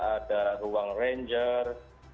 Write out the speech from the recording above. ada ruang ranger